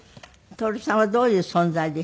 徹さんはどういう存在でしたか？